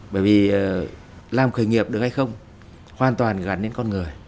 bởi vì làm khởi nghiệp được hay không hoàn toàn gắn đến con người